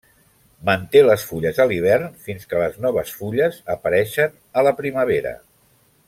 Manté les fulles a l'hivern fins que les noves fulles apareixen a la primavera.